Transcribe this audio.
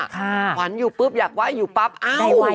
ขวัญอยู่ปุ๊บอยากไหว้อยู่ปั๊บอ้าว